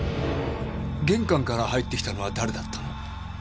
玄関から入ってきたのは誰だったの？